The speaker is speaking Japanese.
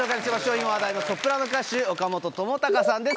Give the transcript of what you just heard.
今話題のソプラノ歌手岡本知高さんです